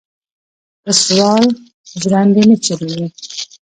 پۀ سوال ژرندې نۀ چلېږي.